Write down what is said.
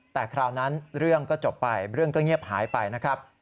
แต่คราวนั้นเรื่องก็จบไปเรื่องก็เงียบหายไปนะครับ